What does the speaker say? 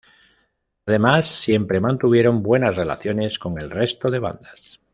Además, siempre mantuvieron buenas relaciones con el resto de bandas.